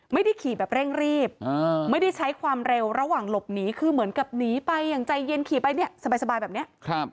ไม่ได้ขี่แบบเร่งรีบไม่ได้ใช้ความเร็วระหว่างหลบหนีคือเหมือนกับหนีไปอย่างใจเย็นขี่ไปเนี่ยสบายแบบนี้